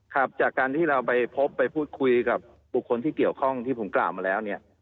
ครับจากการที่เราไปพบไปพูดคุยกับบุคคลที่เกี่ยวข้องที่ผมกล่าวมาแล้วเนี่ย